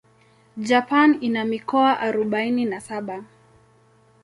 Japan ina mikoa arubaini na saba.